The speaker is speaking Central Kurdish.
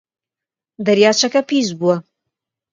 دەریاچەکە پیس بووە.